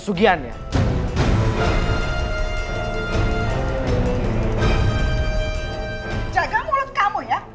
jagalah mulut kamu ya